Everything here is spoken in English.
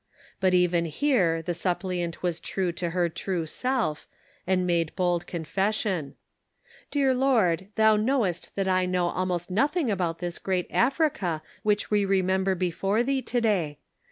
But even here the suppliant was true to her true self, and made bold con fession :" Dear Lord, thou kriowest that I know almost nothing about this great Africa which we remember before thee to day.